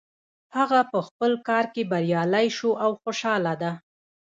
هغه په خپل کار کې بریالی شو او خوشحاله ده